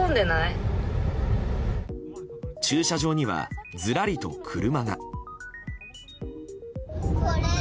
駐車場にはずらりと車が。